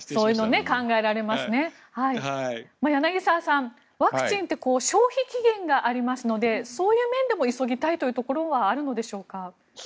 柳澤さん、ワクチンって消費期限がありますのでそういう面でも急ぎたいところはあるのでしょうか。